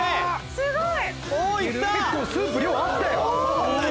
すごい！